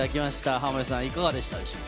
浜辺さん、いかがでしたでしょうか。